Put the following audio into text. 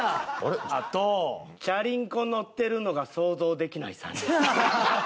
「チャリンコ乗ってるのが想像できない３人」。